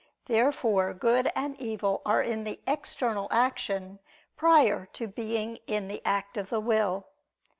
Therefore good and evil are in the external action, prior to being in the act of the will.